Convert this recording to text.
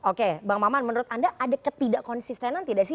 oke bang maman menurut anda ada ketidak konsistenan tidak sih